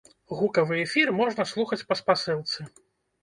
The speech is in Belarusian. Гукавы эфір можна слухаць па спасылцы.